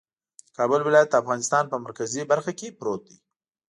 کابل ولایت د افغانستان په مرکزي برخه کې پروت دی